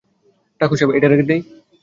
ঠাকুর সাহেব, এটা রেখে দেই?